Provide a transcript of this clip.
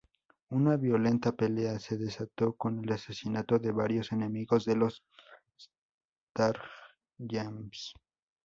Una violenta pelea se desató con el asesinato de varios enemigos de los Starjammers.